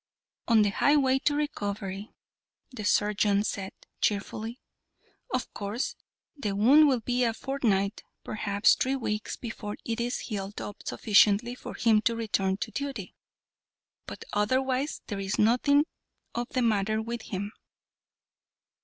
"On the high way to recovery," the surgeon said, cheerfully. "Of course, the wound will be a fortnight, perhaps three weeks, before it is healed up sufficiently for him to return to duty, but otherwise there is nothing the matter with him.